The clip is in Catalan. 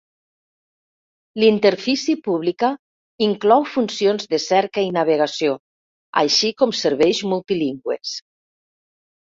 La interfície pública inclou funcions de cerca i navegació, així com serveis multilingües.